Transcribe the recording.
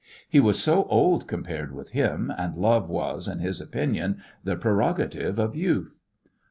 He was so old compared with him, and love was, in his opinion, the prerogative of youth.